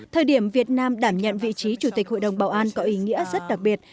thời điểm việt nam đảm nhận vị trí chủ tịch hội đồng bảo an có ý nghĩa rất đặc biệt